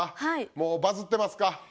もうバズってますか？